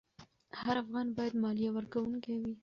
هر افغان باید مالیه ورکوونکی وي.